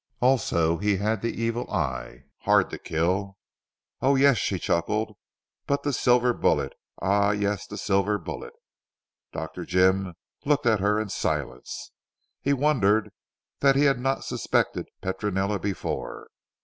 Also he had the evil eye. Hard to kill. Oh, yes," she chuckled, "but the silver bullet ah yes the silver bullet." Dr. Jim looked at her in silence. He wondered that he had not suspected Petronella before.